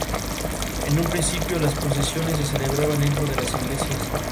En un principio las procesiones se celebraban dentro de las iglesias.